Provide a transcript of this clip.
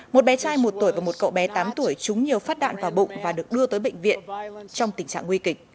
một bé trai một tuổi và một cậu bé tám tuổi trúng nhiều phát đạn vào bụng và được đưa tới bệnh viện trong tình trạng nguy kịch